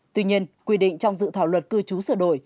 tuy nhiên quy định trong dự thảo luật cư trú sửa đổi